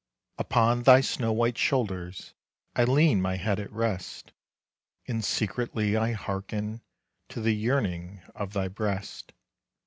Upon thy snow white shoulders I lean my head at rest; And secretly I hearken To the yearning of thy breast.